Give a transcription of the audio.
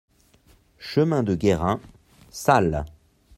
Chemin de Guérin, Salles